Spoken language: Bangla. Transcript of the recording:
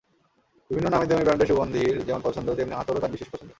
বিভিন্ন নামীদামি ব্র্যান্ডের সুগন্ধির যেমন পছন্দ, তেমনি আতরও তাঁর বিশেষ পছন্দ।